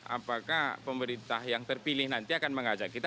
apakah pemerintah yang terpilih nanti akan mengajak kita